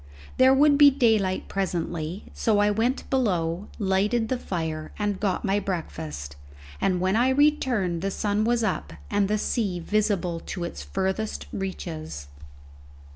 There would be daylight presently, so I went below, lighted the fire, and got my breakfast, and when I returned the sun was up and the sea visible to its furthest reaches.